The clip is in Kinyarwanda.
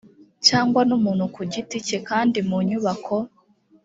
cyangwa n umuntu ku giti cye kandi mu nyubako